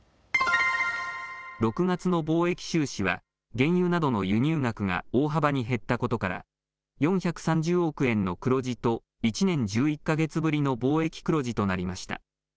６月の貿易収支は原油などの輸入額が大幅に減ったことから４３０億円の黒字と１年１１か月ぶりの貿易黒字となりました。